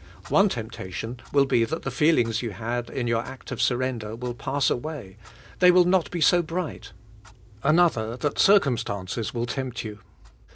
One temptation will be that the feelings you had in your act of surrender will pass away; they will not be so bright; another, that circumstances will tempt you.